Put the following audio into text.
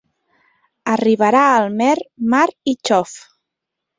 Arribarà al mer mar i xof.